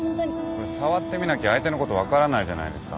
これ触ってみなきゃ相手のこと分からないじゃないですか。